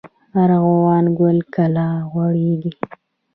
ارغوان ګل کله غوړیږي؟